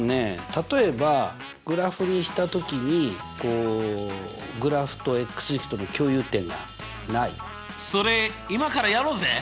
例えばグラフにしたときにこうそれ今からやろうぜ！